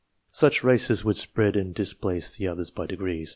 Such races would spread and displace the others by degrees.